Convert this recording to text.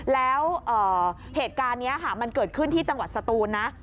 แล้วเหตุการณ์นี้ค่ะมันเกิดขึ้นที่จังหวัดสตูนนะ